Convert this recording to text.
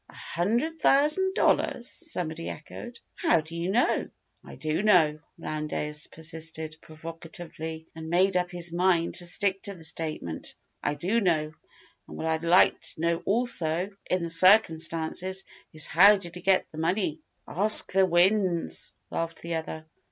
"A hundred thousand dollars?" somebody echoed. "How do you know?" "I do know," Lowndes persisted, provocatively, and made up his mind to stick to the statement. "I do know. And what I'd like to know also, in the circumstances, is how did he get the money?" "Ask the winds!" laughed the other.